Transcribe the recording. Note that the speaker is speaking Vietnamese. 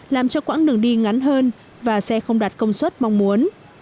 làm cho quãng đường đi ngắn hơn và xe không đạt công suất mong muốn